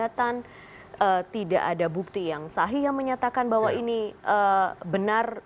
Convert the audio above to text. bahwa tidak ada niatan tidak ada bukti yang sahih yang menyatakan bahwa ini benar